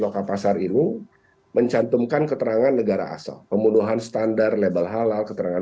loka pasar ini mencantumkan keterangan negara asal pembunuhan standar label halal keterangan